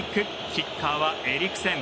キッカーはエリクセン。